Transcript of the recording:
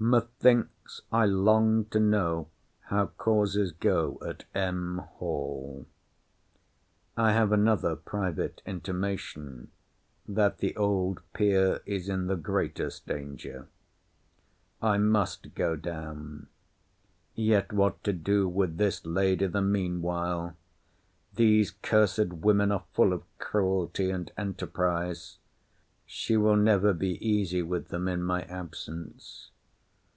Methinks I long to know how causes go at M. Hall. I have another private intimation, that the old peer is in the greatest danger. I must go down. Yet what to do with this lady the mean while! These cursed women are full of cruelty and enterprise. She will never be easy with them in my absence.